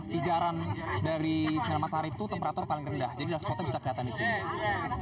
pijaran dari sinar matahari itu temperatur paling rendah jadi di dalam spotnya bisa kelihatan di sini